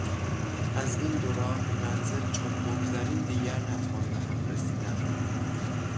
از این دو راه منزل چون بگذریم دیگر نتوان به هم رسیدن